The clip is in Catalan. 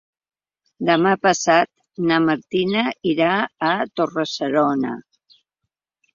Demà passat na Martina irà a Torre-serona.